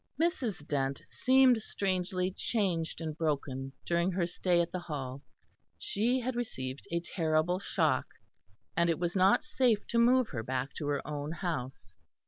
Mrs. Dent seemed strangely changed and broken during her stay at the Hall. She had received a terrible shock, and it was not safe to move her back to her own house.